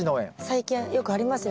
最近よくありますよね。